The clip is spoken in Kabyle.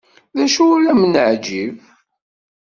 D acu ur am-neɛǧib?